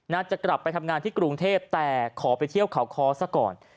จะกลับไปทำงานที่กรุงเทพแต่ขอไปเที่ยวเขาคอซะก่อน